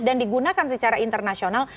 dan digunakan secara internasional